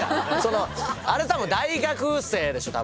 あれたぶん大学生でしょ。